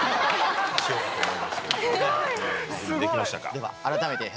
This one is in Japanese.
では改めて。